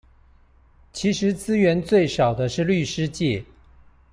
其實資源最少的是律師界